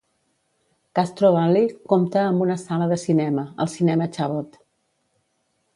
Castro Valley compta amb una sala de cinema, el cinema Chabot.